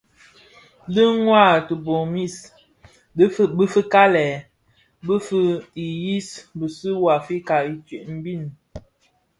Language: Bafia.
Dhi ňwad tibomis bi fikalèn fi bë yiyis bisu u Afrika ntsem mbiň.